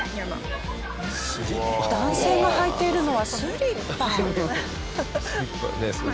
男性が履いているのはスリッパ。